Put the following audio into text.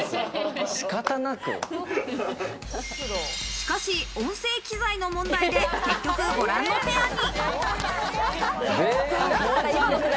しかし音声機材の問題で結局、ご覧のペアに。